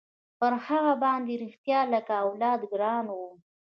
پر هغه باندې رښتيا لکه اولاد ګران وم.